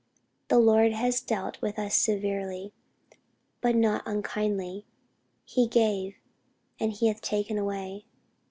The Lord has dealt with us severely, but not unkindly. He gave and he hath taken away."